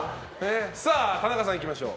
さあ田中さん、いきましょう。